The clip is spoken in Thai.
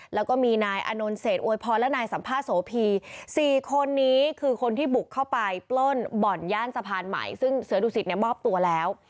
แล้วก็มีนายอานนท์เศษอวยพรและนายสัมภาษณ์โสพี๔คนนี้คือคนที่บุกเข้าไปปล้นบ่อนย่านสะพานใหม่ซึ่งเสือดุสิตเนี่ยมอบตัวแล้ว